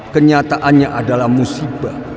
kenyataannya adalah musibah